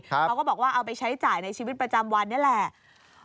เขาก็บอกว่าเอาไปใช้จ่ายในชีวิตประจำวันนี่แหละ